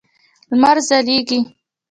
لمر ځلېږي.